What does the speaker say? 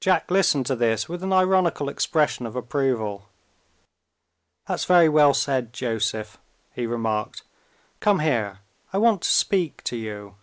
Jack listened to this with an ironical expression of approval. "That's very well said, Joseph," he remarked. "Come here; I want to speak to you.